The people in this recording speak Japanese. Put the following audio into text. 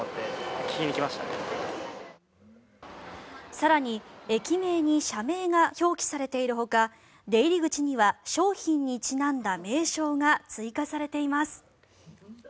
更に、駅名に社名が表記されているほか出入り口には商品にちなんだ名称が追加されています。